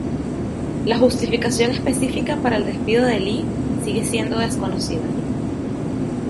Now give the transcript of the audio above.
La justificación específica para el despido de Lee sigue siendo desconocida.